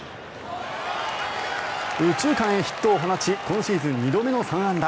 右中間へヒットを放ち今シーズン２度目の３安打。